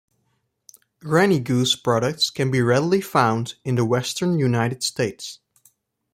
Granny Goose products can be readily found in the Western United States.